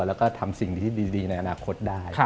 แล้วก็ทำสิ่งที่ดีในอนาคตได้